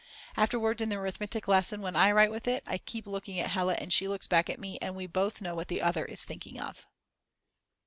Afterwards in the arithmetic lesson when I write with it, I keep looking at Hella and she looks back at me and we both know what the other is thinking of.